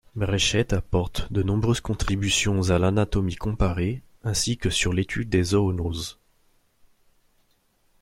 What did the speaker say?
Breschet apporte de nombreuses contributions à l'anatomie comparée ainsi que sur l'étude des zoonoses.